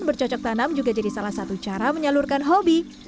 bercocok tanam juga jadi salah satu cara menyalurkan hobi